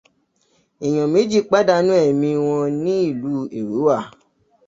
Ènìyàn méjì pàdánù ẹ̀mí wọn ní ìlú Èrúwà.